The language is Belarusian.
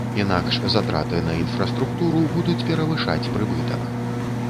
Інакш затраты на інфраструктуру будуць перавышаць прыбытак.